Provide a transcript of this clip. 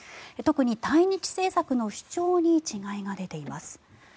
特に対日政策の主張に違いが出ています。